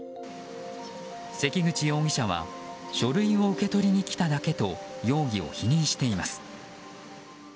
関口容疑者は書類を受け取りに来ただけと容疑を否認しています。